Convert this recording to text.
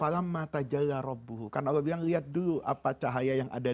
allah bilang lihat dulu apa cahaya yang ada